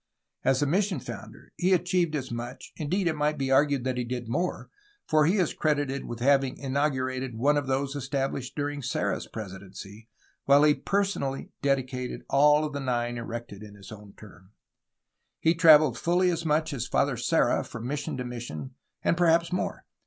As a mission founder he achieved as much; indeed, it might be argued that he did more, for he is credited with having inaugurated one of those established during Serra's presidency, while he personally dedicated all of the nine erected in his own term. He traveled fully as much as Father Serra from mission to mission and perhaps more.